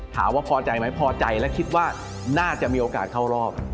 ถามว่าพอใจไหมพอใจและคิดว่าน่าจะมีโอกาสเข้ารอบ